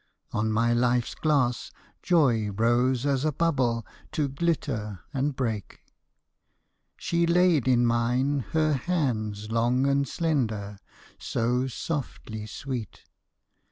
On my life's glass joy rose as a bubble To glitter and break. She laid in mine her hands long and slender, So softly sweet.